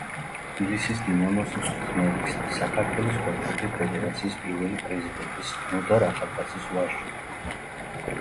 თბილისის დინამოს მწვრთნელის და საქართველოს ფეხბურთის ფედერაციის პირველი პრეზიდენტის ნოდარ ახალკაცის ვაჟი.